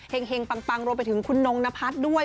แห่งแปงมาถึงคุณนงนพัฒน์ด้วย